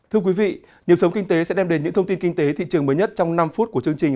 thưa quý vị nhiệm sống kinh tế sẽ đem đến những thông tin kinh tế thị trường mới nhất trong năm phút của chương trình